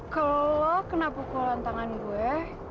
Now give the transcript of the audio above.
kalau lo kena pukulan tangan gue